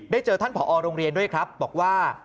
เจอท่านผอโรงเรียนด้วยครับบอกว่า